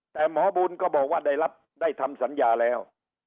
แต่หมอบุญก็บอกว่าได้รับได้ทำสัญญาแล้ว